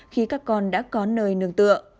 khi các con đã có nơi nằm